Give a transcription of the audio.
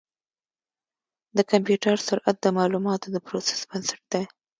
د کمپیوټر سرعت د معلوماتو د پروسس بنسټ دی.